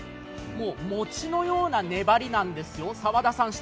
もう餅のような粘りなんです。